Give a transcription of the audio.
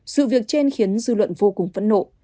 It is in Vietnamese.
sự việc trên khiến dư luận vô cùng phẫn nộ